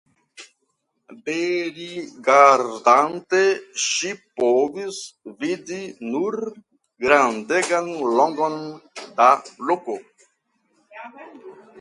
Derigardante, ŝi povis vidi nur grandegan longon da kolo.